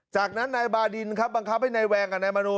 จากนั้นนายบาดินครับบังคับให้นายแวงกับนายมนู